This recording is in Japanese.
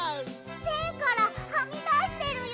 せんからはみだしてるよ！